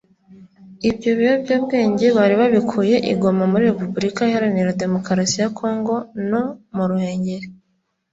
Ibyo biyobyabwenge bari babikuye i Goma muri Repubulika Iharanira Demokarasi ya kongo no mu Ruhengeri